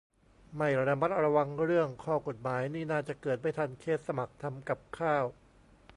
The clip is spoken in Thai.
ไม่ระมัดระวังเรื่องข้อกฎหมายนี่น่าจะเกิดไม่ทันเคสสมัครทำกับข้าว